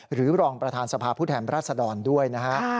หรือรองประธานสภาพฤทธรรมรัษฎรด้วยนะครับ